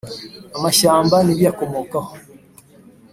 amashyamba n ibiyakomokaho.